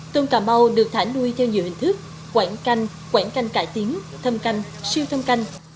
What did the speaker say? tôm cà mau được thả nuôi theo nhiều hình thức quảng canh quảng canh cải tiến thâm canh siêu thâm canh